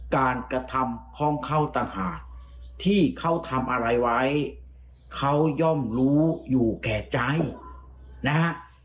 การกระทำของเขาต่างหากที่เขาทำอะไรไว้เขาย่อมรู้อยู่แก่ใจนะฮะ